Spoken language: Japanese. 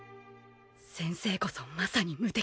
先生こそまさに無敵。